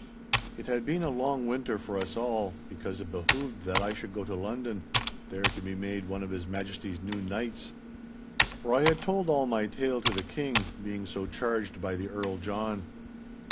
It had been a long winter for us all, because it behoved that I should go to London, there to be made one of His Majesty's new knights. For I had told all my tale to the King, being so charged by the Earl John.